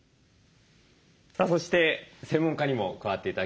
さあそして専門家にも加わって頂きます。